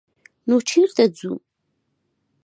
_نو چېرته ځو؟